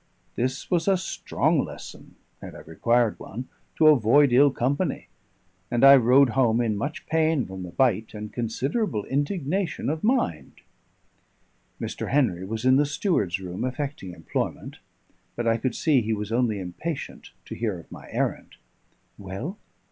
This was a strong lesson, had I required one, to avoid ill company; and I rode home in much pain from the bite, and considerable indignation of mind. Mr. Henry was in the steward's room, affecting employment, but I could see he was only impatient to hear of my errand. "Well?"